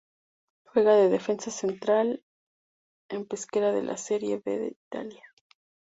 Juega de defensa central en Pescara de la Serie B de Italia.